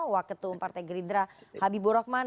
waketum partai gerindra habib borokman